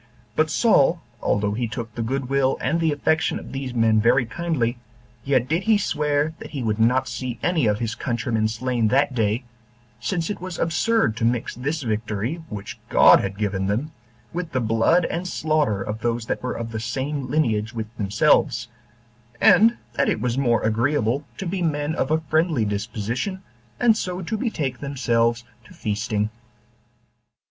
But Saul, although he took the good will and the affection of these men very kindly, yet did he swear that he would not see any of his countrymen slain that day, since it was absurd to mix this victory, which God had given them, with the blood and slaughter of those that were of the same lineage with themselves; and that it was more agreeable to be men of a friendly disposition, and so to betake themselves to feasting.